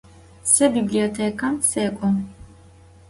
Se bibliotêkam sek'o.